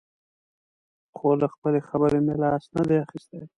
خو له خپلې خبرې مې لاس نه دی اخیستی.